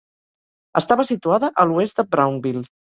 Estava situada a l'oest de Brownville.